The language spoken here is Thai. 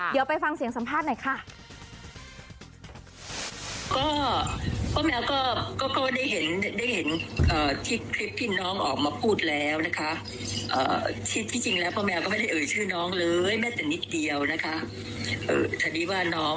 เดี๋ยวไปฟังเสียงสัมภาษณ์หน่อยค่ะ